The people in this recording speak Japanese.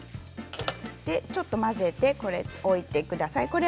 ちょっと混ぜておいてください。